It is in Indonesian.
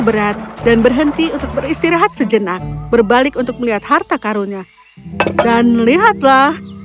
berat dan berhenti untuk beristirahat sejenak berbalik untuk melihat harta karunnya dan lihatlah